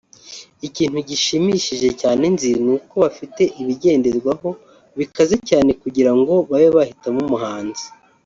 Ikintu gishimishije cyane nzi ni uko bafite ibigenderwaho bikaze cyane kugira ngo babe bahitamo umuhanzi